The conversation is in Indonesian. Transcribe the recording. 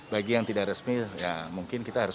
bagi yang tidak resmi ya mungkin kita harus